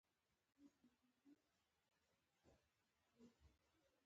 اکثره تفسیرونه مستقیمه رابطه لري.